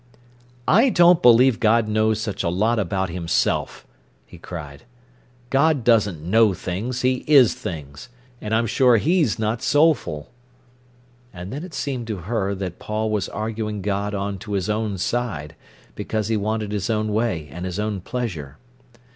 "I don't believe God knows such a lot about Himself," he cried. "God doesn't know things, He is things. And I'm sure He's not soulful." And then it seemed to her that Paul was arguing God on to his own side, because he wanted his own way and his own pleasure.